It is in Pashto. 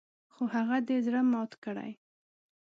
خو هغه دې زړه مات کړي .